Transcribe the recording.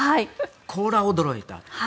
これは驚いた。